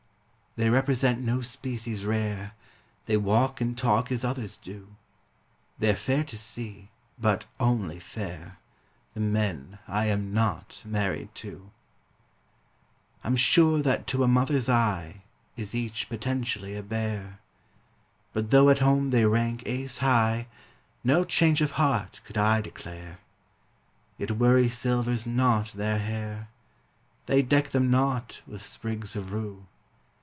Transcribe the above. They represent no species rare, They walk and talk as others do; They're fair to see but only fair The men I am not married to. I'm sure that to a mother's eye Is each potentially a bear. But though at home they rank ace high, No change of heart could I declare. Yet worry silvers not their hair; They deck them not with sprigs of rue.